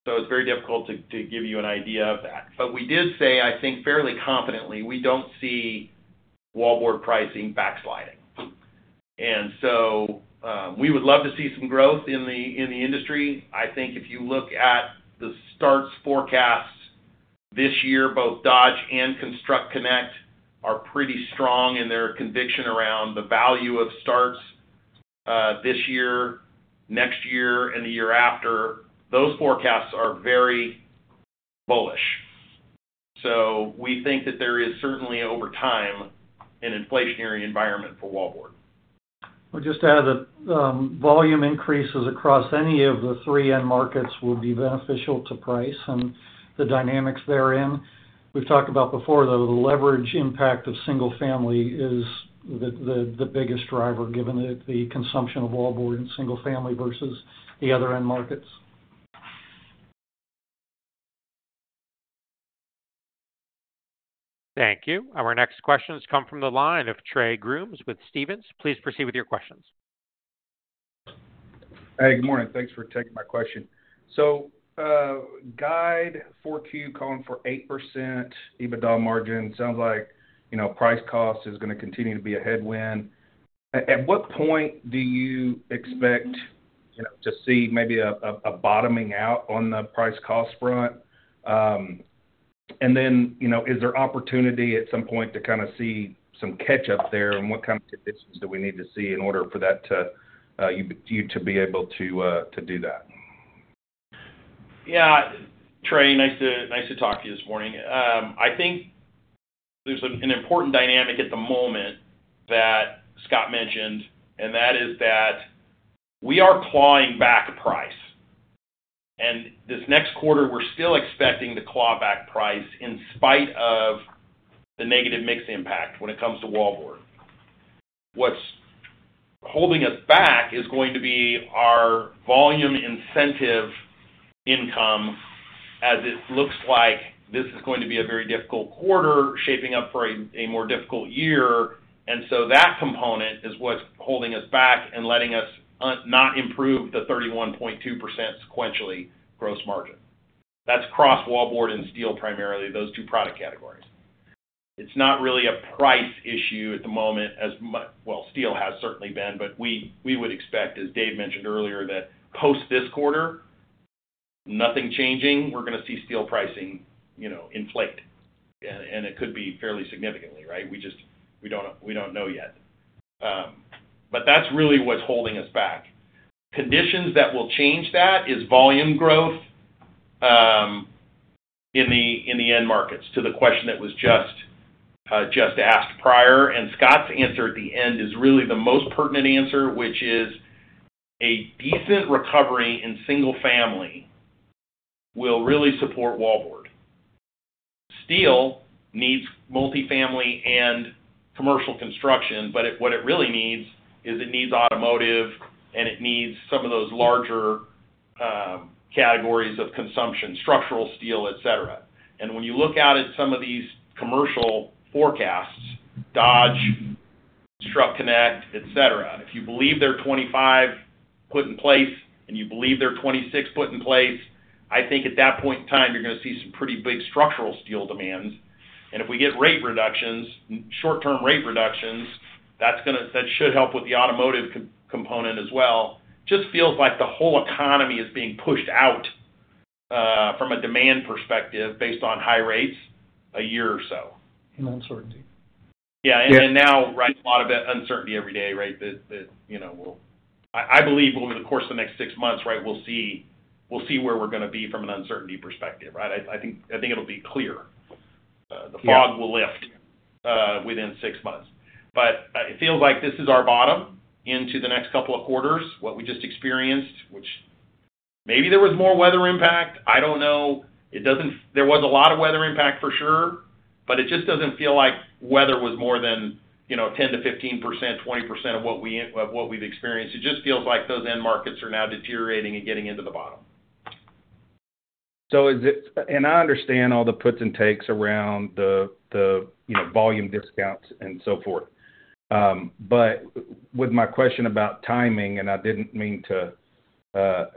It's very difficult to give you an idea of that. We did say, I think fairly confidently, we don't see wallboard pricing backsliding. We would love to see some growth in the industry. I think if you look at the starts forecasts this year, both Dodge and ConstructConnect are pretty strong in their conviction around the value of starts this year, next year, and the year after. Those forecasts are very bullish. We think that there is certainly, over time, an inflationary environment for wallboard. Just to add, the volume increases across any of the three end markets will be beneficial to price and the dynamics therein. We've talked about before, though, the leverage impact of single-family is the biggest driver, given the consumption of wallboard and single-family versus the other end markets. Thank you. Our next questions come from the line of Trey Grooms with Stephens. Please proceed with your questions. Hey. Good morning. Thanks for taking my question. So Guide 4Q calling for 8% EBITDA margin. Sounds like price cost is going to continue to be a headwind. At what point do you expect to see maybe a bottoming out on the price cost front? And then is there opportunity at some point to kind of see some catch-up there? And what kind of conditions do we need to see in order for you to be able to do that? Yeah. Trey, nice to talk to you this morning. I think there's an important dynamic at the moment that Scott mentioned, and that is that we are clawing back price. And this next quarter, we're still expecting to claw back price in spite of the negative mix impact when it comes to wallboard. What’s holding us back is going to be our volume incentive income, as it looks like this is going to be a very difficult quarter shaping up for a more difficult year, and so that component is what’s holding us back and letting us not improve the 31.2% sequentially gross margin. That’s across wallboard and steel primarily, those two product categories. It’s not really a price issue at the moment, as much, well, steel has certainly been, but we would expect, as Dave mentioned earlier, that post this quarter, nothing changing, we’re going to see steel pricing inflate, and it could be fairly significantly, right? We don’t know yet, but that’s really what’s holding us back. Conditions that will change that is volume growth in the end markets to the question that was just asked prior. And Scott's answer at the end is really the most pertinent answer, which is a decent recovery in single-family will really support wallboard. Steel needs multifamily and commercial construction, but what it really needs is it needs automotive, and it needs some of those larger categories of consumption, structural steel, etc. And when you look at some of these commercial forecasts, Dodge, ConstructConnect, etc., if you believe their 2025 put in place and you believe their 2026 put in place, I think at that point in time, you're going to see some pretty big structural steel demands. And if we get rate reductions, short-term rate reductions, that should help with the automotive component as well. It just feels like the whole economy is being pushed out from a demand perspective based on high rates a year or so. And uncertainty. Yeah. And now, right, a lot of uncertainty every day, right, that we'll I believe over the course of the next six months, right, we'll see where we're going to be from an uncertainty perspective, right? I think it'll be clear. The fog will lift within six months. But it feels like this is our bottom into the next couple of quarters, what we just experienced, which maybe there was more weather impact. I don't know. There was a lot of weather impact for sure, but it just doesn't feel like weather was more than 10%-15%, 20% of what we've experienced. It just feels like those end markets are now deteriorating and getting into the bottom. So is it, and I understand all the puts and takes around the volume discounts and so forth. But with my question about timing, and I didn't mean to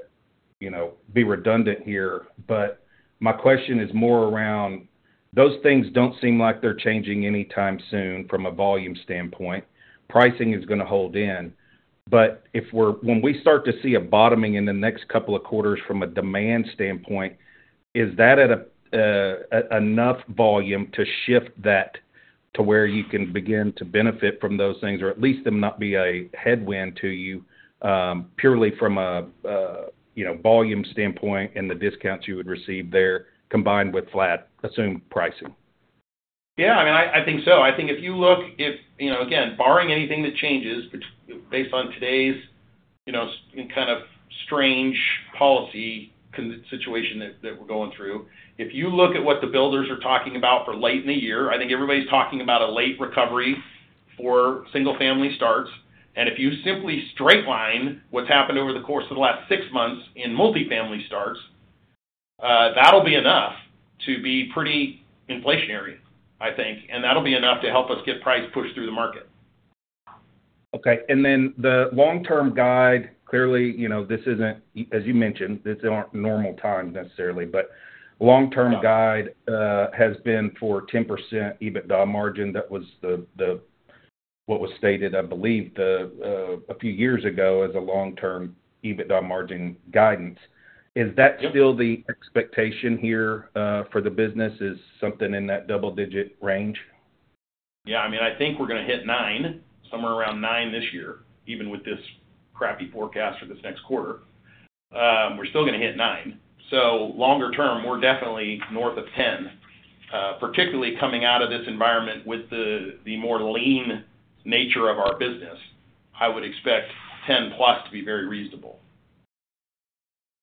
be redundant here, but my question is more around those things don't seem like they're changing anytime soon from a volume standpoint. Pricing is going to hold in. But when we start to see a bottoming in the next couple of quarters from a demand standpoint, is that enough volume to shift that to where you can begin to benefit from those things, or at least them not be a headwind to you purely from a volume standpoint and the discounts you would receive there combined with flat assumed pricing? Yeah. I mean, I think so. I think if you look at, again, barring anything that changes based on today's kind of strange policy situation that we're going through, if you look at what the builders are talking about for late in the year, I think everybody's talking about a late recovery for single-family starts. And if you simply straight line what's happened over the course of the last six months in multifamily starts, that'll be enough to be pretty inflationary, I think. And that'll be enough to help us get price pushed through the market. Okay. And then the long-term guide, clearly, this isn't, as you mentioned, this isn't normal time necessarily, but long-term guide has been for 10% EBITDA margin. That was what was stated, I believe, a few years ago as a long-term EBITDA margin guidance. Is that still the expectation here for the business, is something in that double-digit range? Yeah. I mean, I think we're going to hit nine, somewhere around nine this year, even with this crappy forecast for this next quarter. We're still going to hit nine. So longer term, we're definitely north of 10, particularly coming out of this environment with the more lean nature of our business. I would expect 10-plus to be very reasonable.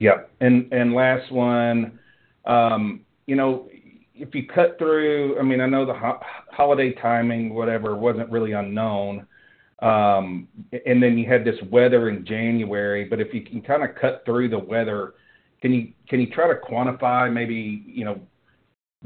Yep. And last one, if you cut through, I mean, I know the holiday timing, whatever, wasn't really unknown. And then you had this weather in January. But if you can kind of cut through the weather, can you try to quantify maybe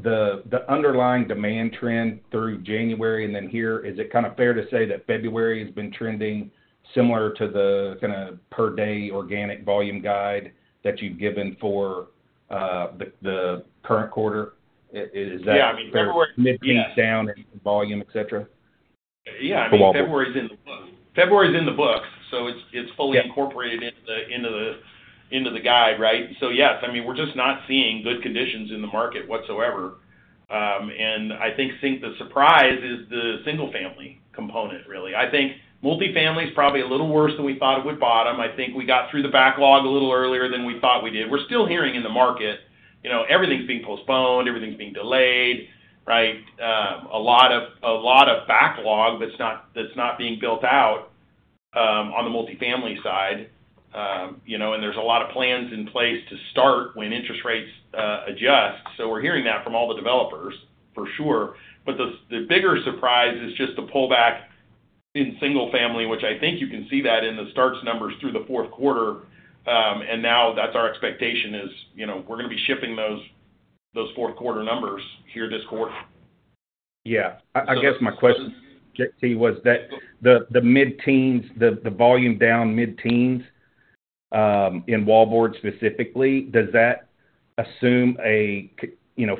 the underlying demand trend through January and then here? Is it kind of fair to say that February has been trending similar to the kind of per-day organic volume guide that you've given for the current quarter? Is that fair? Yeah. I mean, February is down in volume, etc.? Yeah. I mean, February is in the books. February is in the books. So it's fully incorporated into the guide, right? So yes, I mean, we're just not seeing good conditions in the market whatsoever. And I think the surprise is the single-family component, really. I think multifamily is probably a little worse than we thought it would bottom. I think we got through the backlog a little earlier than we thought we did. We're still hearing in the market, everything's being postponed, everything's being delayed, right? A lot of backlog that's not being built out on the multifamily side. And there's a lot of plans in place to start when interest rates adjust. So we're hearing that from all the developers, for sure. But the bigger surprise is just the pullback in single-family, which I think you can see that in the starts numbers through the fourth quarter. And now that's our expectation is we're going to be shipping those fourth-quarter numbers here this quarter. Yeah. I guess my question, J.T., was that the mid-teens, the volume down mid-teens in wallboard specifically, does that assume a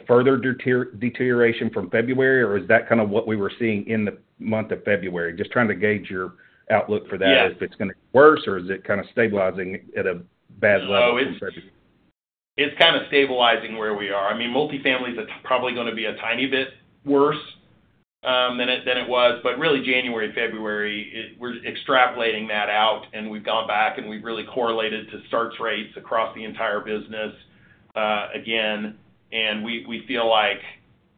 further deterioration from February, or is that kind of what we were seeing in the month of February? Just trying to gauge your outlook for that. Is it going to get worse, or is it kind of stabilizing at a bad level in February? It's kind of stabilizing where we are. I mean, multifamily is probably going to be a tiny bit worse than it was. But really, January and February, we're extrapolating that out, and we've gone back, and we've really correlated to starts rates across the entire business again. And we feel like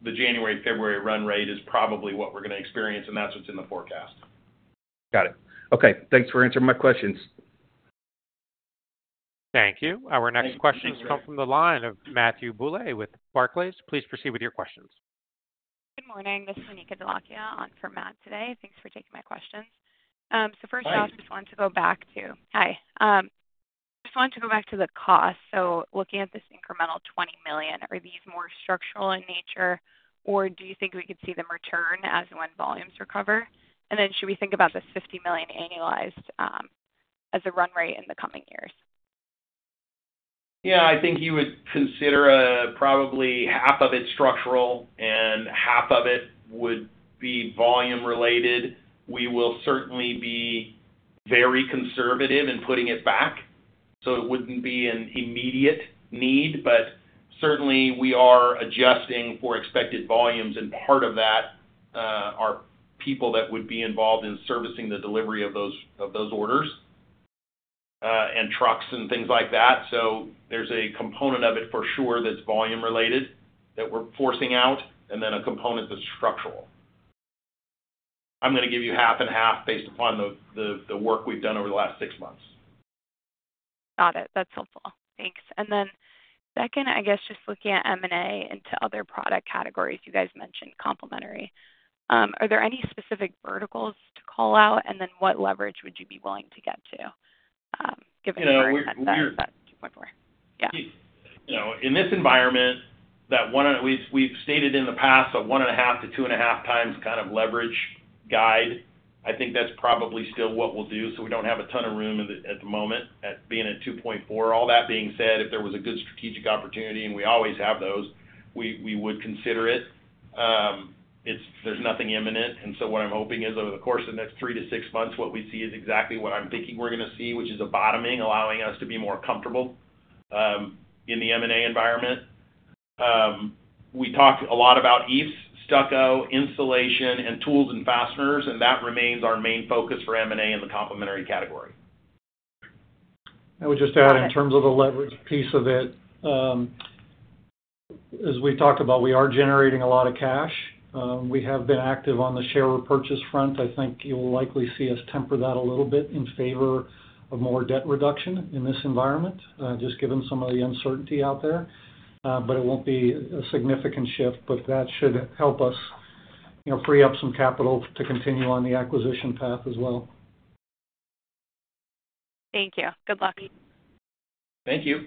the January-February run rate is probably what we're going to experience, and that's what's in the forecast. Got it. Okay. Thanks for answering my questions. Thank you. Our next questions come from the line of Matthew Boulay with Barclays. Please proceed with your questions. Good morning. This is Anika Dholakia on for Matt today. Thanks for taking my questions. So first off, I just wanted to go back to. Hi. I just wanted to go back to the cost. So looking at this incremental $20 million, are these more structural in nature, or do you think we could see them return as when volumes recover? And then should we think about this $50 million annualized as a run rate in the coming years? Yeah. I think you would consider probably half of it structural, and half of it would be volume-related. We will certainly be very conservative in putting it back. So it wouldn't be an immediate need, but certainly, we are adjusting for expected volumes. And part of that are people that would be involved in servicing the delivery of those orders and trucks and things like that. So there's a component of it for sure that's volume-related that we're forcing out, and then a component that's structural. I'm going to give you half and half based upon the work we've done over the last 6 months. Got it. That's helpful. Thanks. And then second, I guess just looking at M&A into other product categories, you guys mentioned complementary. Are there any specific verticals to call out? And then what leverage would you be willing to get to, given how that's at 2.4? Yeah. In this environment, we've stated in the past a one and a half to two and a half times kind of leverage guide. I think that's probably still what we'll do, so we don't have a ton of room at the moment at being at 2.4. All that being said, if there was a good strategic opportunity, and we always have those, we would consider it. There's nothing imminent and so what I'm hoping is over the course of the next three to 6 months, what we see is exactly what I'm thinking we're going to see, which is a bottoming, allowing us to be more comfortable in the M&A environment. We talked a lot about EIFS, stucco, insulation, and tools and fasteners, and that remains our main focus for M&A in the complementary category. I would just add, in terms of the leverage piece of it, as we talked about, we are generating a lot of cash. We have been active on the share repurchase front. I think you'll likely see us temper that a little bit in favor of more debt reduction in this environment, just given some of the uncertainty out there. But it won't be a significant shift, but that should help us free up some capital to continue on the acquisition path as well. Thank you. Good luck. Thank you.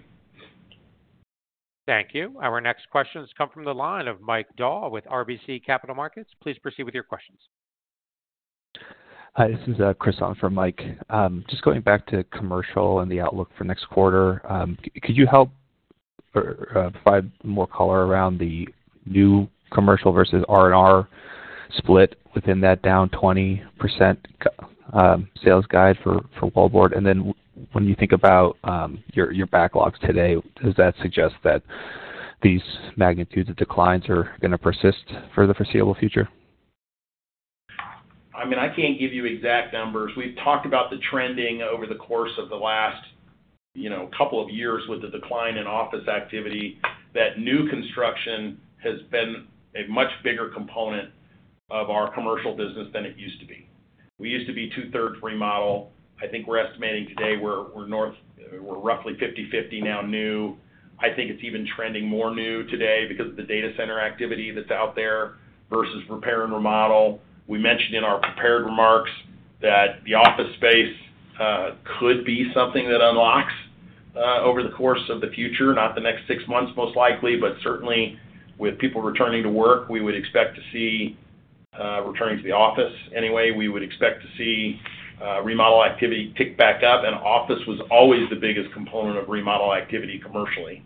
Thank you. Our next questions come from the line of Mike Dahl with RBC Capital Markets. Please proceed with your questions. Hi. This is Chris on for Mike. Just going back to commercial and the outlook for next quarter, could you help provide more color around the new commercial versus R&R split within that down 20% sales guide for wallboard? And then when you think about your backlogs today, does that suggest that these magnitudes of declines are going to persist for the foreseeable future? I mean, I can't give you exact numbers. We've talked about the trending over the course of the last couple of years with the decline in office activity, that new construction has been a much bigger component of our commercial business than it used to be. We used to be two-thirds remodel. I think we're estimating today we're roughly 50/50 now new. I think it's even trending more new today because of the data center activity that's out there versus repair and remodel. We mentioned in our prepared remarks that the office space could be something that unlocks over the course of the future, not the next six months most likely, but certainly, with people returning to work, we would expect to see returning to the office anyway. We would expect to see remodel activity kick back up. And office was always the biggest component of remodel activity commercially.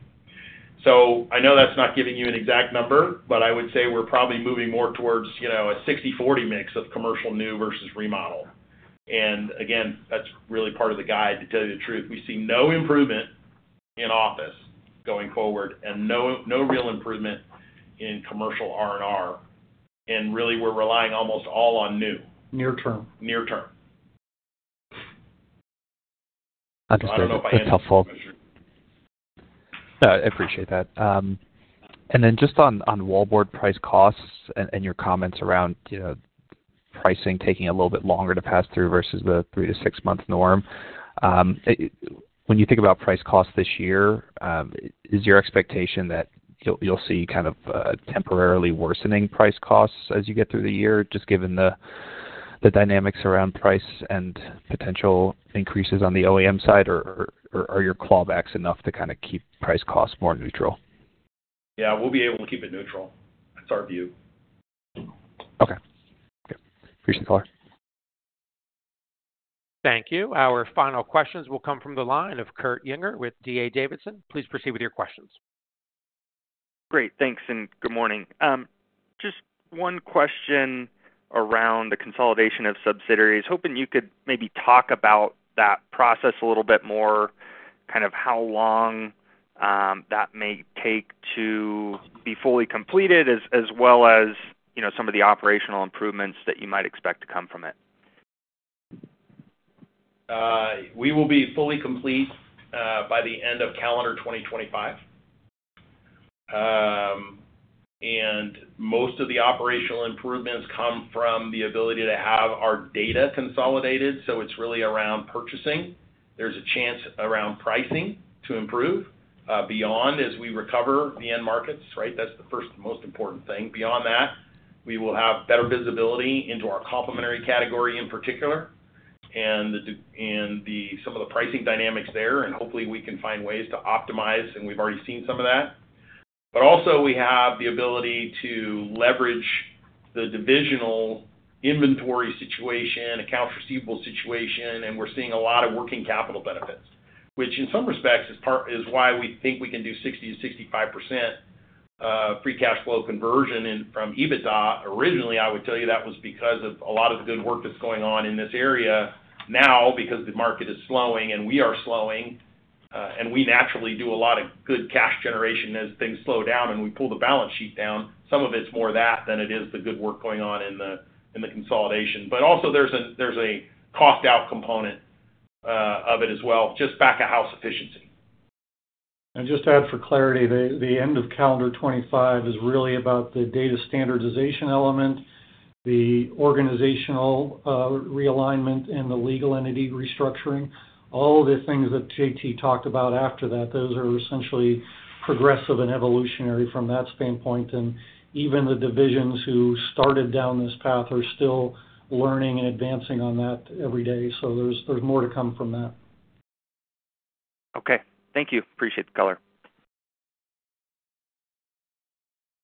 So I know that's not giving you an exact number, but I would say we're probably moving more towards a 60/40 mix of commercial new versus remodel. And again, that's really part of the guide, to tell you the truth. We see no improvement in office going forward and no real improvement in commercial R&R. And really, we're relying almost all on new. Near term. I don't know if I answered that question. No, I appreciate that. And then just on wallboard price-cost and your comments around pricing taking a little bit longer to pass through versus the three- to six-month norm, when you think about price-cost this year, is your expectation that you'll see kind of temporarily worsening price-cost as you get through the year, just given the dynamics around price and potential increases on the OEM side, or are your clawbacks enough to kind of keep price-cost more neutral? Yeah. We'll be able to keep it neutral. That's our view. Okay. Good. Appreciate the call. Thank you. Our final questions will come from the line of Kurt Yinger with D.A. Davidson. Please proceed with your questions. Great. Thanks. And good morning. Just one question around the consolidation of subsidiaries. Hoping you could maybe talk about that process a little bit more, kind of how long that may take to be fully completed, as well as some of the operational improvements that you might expect to come from it? We will be fully complete by the end of calendar 2025, and most of the operational improvements come from the ability to have our data consolidated, so it's really around purchasing. There's a chance around pricing to improve beyond as we recover the end markets, right? That's the first and most important thing. Beyond that, we will have better visibility into our complementary category in particular and some of the pricing dynamics there, and hopefully, we can find ways to optimize, and we've already seen some of that. But also, we have the ability to leverage the divisional inventory situation, accounts receivable situation, and we're seeing a lot of working capital benefits, which in some respects is why we think we can do 60%-65% free cash flow conversion from EBITDA. Originally, I would tell you that was because of a lot of the good work that's going on in this area now because the market is slowing, and we are slowing. And we naturally do a lot of good cash generation as things slow down, and we pull the balance sheet down. Some of it's more that than it is the good work going on in the consolidation. But also, there's a cost-out component of it as well, just back-of-house efficiency. And just to add for clarity, the end of calendar 2025 is really about the data standardization element, the organizational realignment, and the legal entity restructuring. All of the things that J.T. talked about after that, those are essentially progressive and evolutionary from that standpoint. And even the divisions who started down this path are still learning and advancing on that every day. So there's more to come from that. Okay. Thank you. Appreciate the color.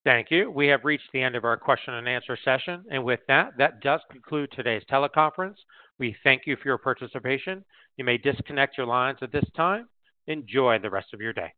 Thank you. We have reached the end of our question and answer session. And with that, that does conclude today's teleconference. We thank you for your participation. You may disconnect your lines at this time. Enjoy the rest of your day.